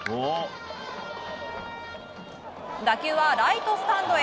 打球はライトスタンドへ。